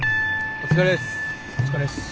お疲れっす。